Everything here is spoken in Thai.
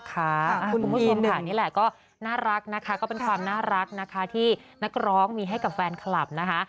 คุณผู้ชมค่ะนี่แหละก็น่ารักนะคะก็เป็นความน่ารักนะคะที่นักร้องมีให้กับแฟนคลับนะคะ